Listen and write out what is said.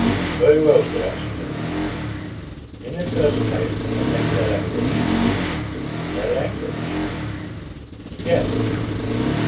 "Very well," said Oxenden. "In the first place, I take their language." "Their language!" "Yes.